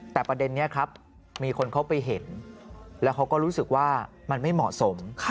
แต่ประเด็นนี้ครับมีคนเขาไปเห็นแล้วเขาก็รู้สึกว่ามันไม่เหมาะสม